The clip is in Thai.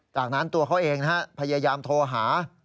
จากนั้นตัวเขาเองนะฮะพยายามโทรหา